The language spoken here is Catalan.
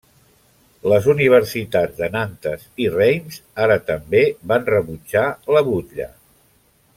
Les universitats de Nantes i Reims ara també van rebutjar la butlla.